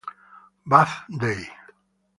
Bath Day